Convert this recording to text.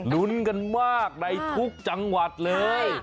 ลุ้นกันมากในทุกจังหวัดเลย